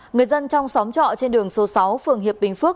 người dân trong xóm trọ trên đường số sáu phường hiệp bình phước